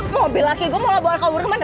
mobil laki gue mau lah bawa kabur kemana